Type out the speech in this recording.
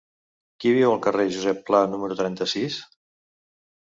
Qui viu al carrer de Josep Pla número trenta-sis?